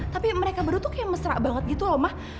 tapi mereka berdua tuh kayak mesra banget gitu loh mah